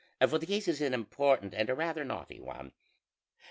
for the case is an important and a rather knotty one.